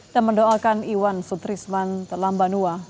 dan mendoakan iwan sutrisman telambanua